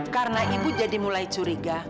karena ibu jadi mulai curiga